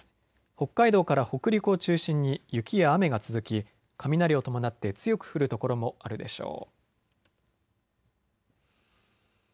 北海道から北陸を中心に雪や雨が続き雷を伴って強く降る所もあるでしょう。